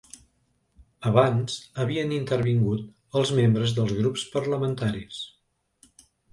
Abans, havien intervingut els membres dels grups parlamentaris.